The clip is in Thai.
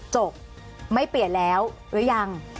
จบไม่เปลี่ยนแล้วหรือยัง